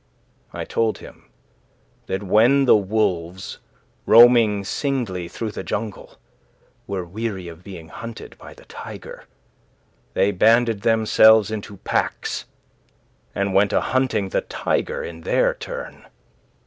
I told him that when the wolves, roaming singly through the jungle, were weary of being hunted by the tiger, they banded themselves into packs, and went a hunting the tiger in their turn.